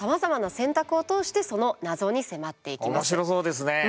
面白そうですねえ！